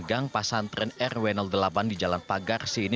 gang pasantren rw delapan di jalan pagar sini